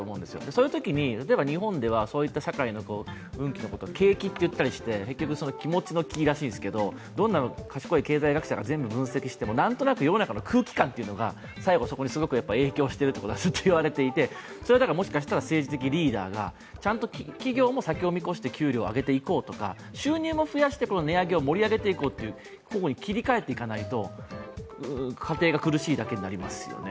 そういうときに日本ではそういったものは景気といって結局、気持ちのきらしいんですけど賢い学者が全部分析してもなんとなく世の中の空気感というのが最後、すごく影響していくと言われていて、それは政治的リーダーが企業も先を見て給料を上げていこうだとか、収入も増やして値上げを盛り上げていこうという方に切り替えていかないと家計が苦しいだけになりますよね。